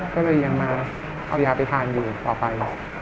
ก็เลยยังมาเอายาไปทานอยู่ต่อไป